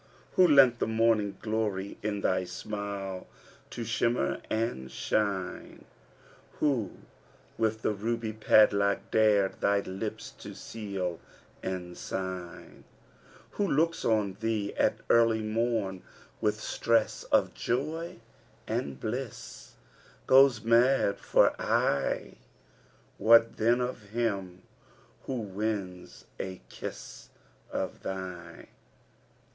Who lent the morning glory in thy smile to shimmer and shine * Who with that ruby padlock dared thy lips to seal and sign! Who looks on thee at early morn with stress of joy and bliss * Goes mad for aye, what then of him who wins a kiss of thine?'